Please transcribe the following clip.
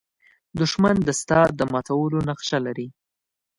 دښمن د ستا د ماتولو نقشه لري